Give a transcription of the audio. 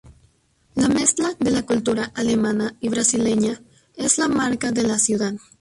La mezcla de la cultura alemana y brasileña es la marca de la ciudad.